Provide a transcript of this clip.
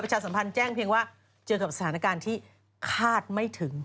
สัมพันธ์แจ้งเพียงว่าเจอกับสถานการณ์ที่คาดไม่ถึง